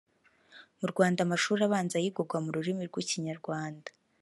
mu Rwanda amashuri abanza yigwaga mu rurimi rw’ikinyarwanda